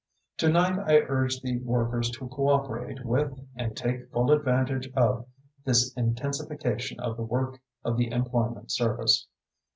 Tonight I urge the workers to cooperate with and take full advantage of this intensification of the work of the Employment Service.